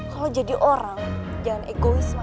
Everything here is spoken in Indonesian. kalau menjadi orang jangan egois ma